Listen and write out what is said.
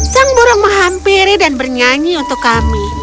sang burung menghampiri dan bernyanyi untuk kami